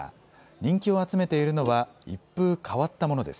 人気を集めているのは、一風変わったものです。